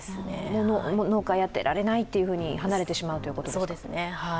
もう農家やってられないという感じで離れてしまうということですか。